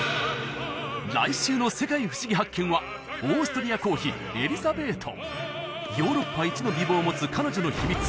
来週の「世界ふしぎ発見！」はオーストリア皇妃エリザベートヨーロッパ一の美貌を持つ彼女の秘密